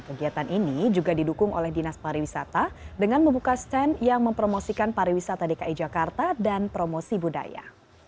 kegiatan ini juga didukung oleh dinas pariwisata dengan membuka stand yang mempromosikan pariwisata dki jakarta dan promosi budaya